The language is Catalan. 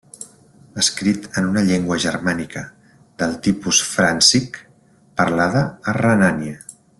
Escrit en una llengua germànica de tipus fràncic, parlada a Renània.